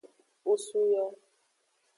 Nusu yo.